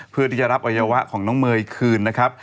เพื่อที่จะรับอวัยวะของน้องเมย์คืนนะครับ